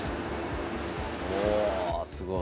おおすごい。